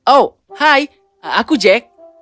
oh hai aku jack